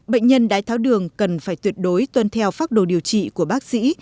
bệnh nhân đái tháo đường cần phải tuyệt đối tuân theo pháp đồ điều trị của bác sĩ